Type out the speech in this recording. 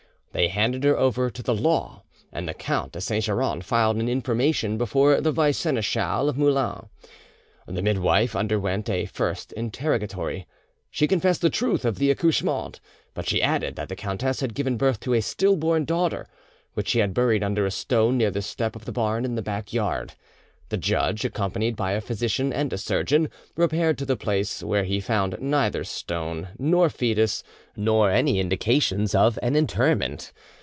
They handed her over to the law, and the Count de Saint Geran filed an information before the vice seneschal of Moulins. The midwife underwent a first interrogatory. She confessed the truth of the accouchement, but she added that the countess had given birth to a still born daughter, which she had buried under a stone near the step of the barn in the back yard. The judge, accompanied by a physician and a surgeon, repaired to the place, where he found neither stone, nor foetus, nor any indications of an interment.